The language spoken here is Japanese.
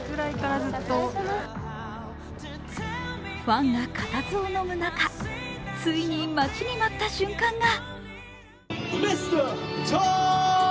ファンがかたずをのむ中ついに待ちに待った瞬間が。